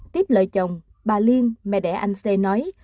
tiếp lời chồng bà liên mẹ đẻ anh xê nói